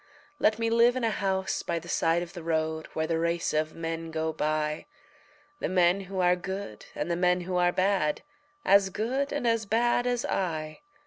Let me live in a house by the side of the road Where the race of men go by The men who are good and the men who are bad, As good and as bad as I.